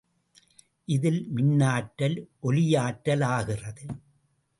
இதில் மின்னாற்றல் ஒலியாற்றலாகிறது.